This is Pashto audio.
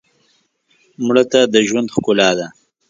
مړه ته د ژوند ښکلا ده